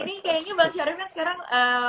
ini kayaknya bang syarif kan sekarang